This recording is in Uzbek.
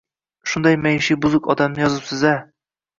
Shunday maishiy buzuq odamni yozibsan-a